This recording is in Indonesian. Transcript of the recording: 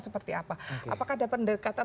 seperti apa apakah ada pendekatan